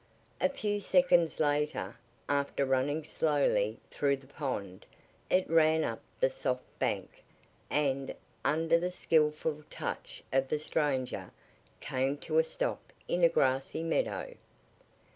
A few seconds later, after running slowly through the pond, it ran up the soft bank, and, under the skilful touch of the stranger, came to a stop in a grassy meadow.